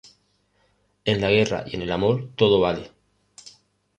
En la guerra y en el amor, todo vale